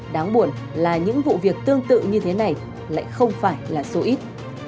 đáng buồn là những vụ việc tương tự như thế này lại không phải là số ít